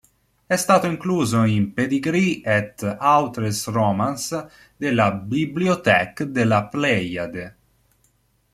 È stato incluso in "Pedigree et autres romans" della "Bibliothèque de la Pléiade".